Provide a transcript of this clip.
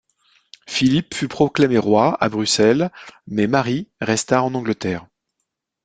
Philippe fut proclamé roi à Bruxelles mais Marie resta en Angleterre.